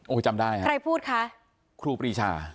โอ้ยจำได้ครับใครพูดคะครูปรีชา